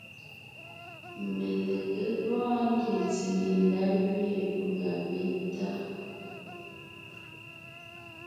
Melegé gɔɔn ngie tsìŋe ndá gẅiin pʉ̀a métá.